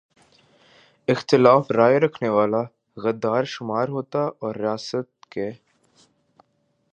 اختلاف رائے رکھنے والا غدار شمار ہوتا اور ریاست کے